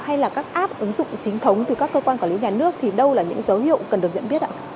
hay là các app ứng dụng chính thống từ các cơ quan quản lý nhà nước thì đâu là những dấu hiệu cần được nhận biết ạ